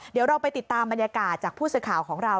เดี๋ยวเราไปติดตามบรรยากาศจากผู้สื่อข่าวของเรา